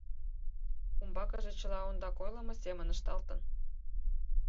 Умбакыже чыла ондак ойлымо семын ышталтын.